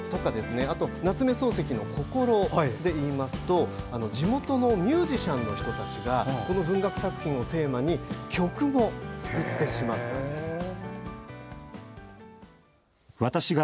夏目漱石の「こころ」で言いますと地元のミュージシャンの人たちがこの文学作品をテーマに曲を作ってしまったんです。